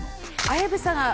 綾部さん